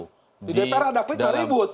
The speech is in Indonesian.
di dpr ada klik dari ibut